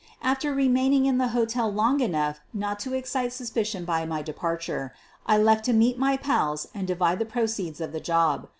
After remaining in the hotel long enough not to excite suspicion by my departure, I left to meet my pals and divide the proceeds of the job.